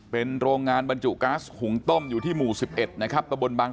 เป็นโรงงานบรรจุก๊าซหุงต้มอยู่ที่หมู่๑๑นะครับตะบนบาง